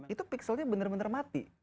itu pixelnya benar benar mati